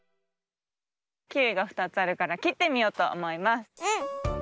キウイが２つあるからきってみようとおもいます。